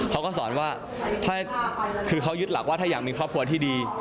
เขาก็สอนว่าคือเขายึดหลักว่าถ้าอยากมีครอบครัวที่ดี